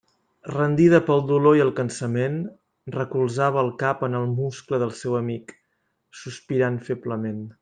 Rendida pel dolor i el cansament, recolzava el cap en el muscle del seu amic, sospirant feblement.